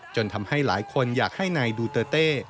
จนทำให้หลายคนอยากให้นายดูเตอร์เต้